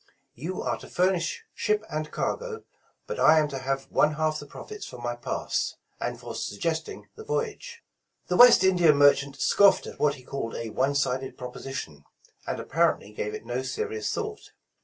You are to fur nish ship and cargo, but I am to have one half the profits for my pass, and for suggesting the voyage." The West India merchant scoffed at what he called a one sided proposition, and apparently gave it no serious thought.